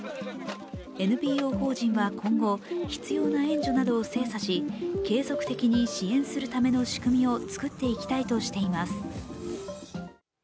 ＮＰＯ法人は今後、必要な援助などを精査し、継続的に支援するための仕組みを作っていきたいとしています。